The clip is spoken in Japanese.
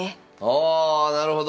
あなるほど。